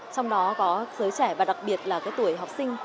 trong đó có giới trẻ và đặc biệt là tuổi học sinh